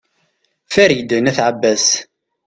farid n at abbas